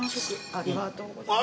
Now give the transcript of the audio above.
ありがとうございます。